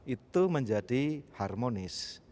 itu menjadi harmonis